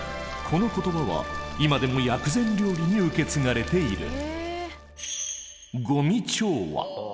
この言葉は今でも薬膳料理に受け継がれている。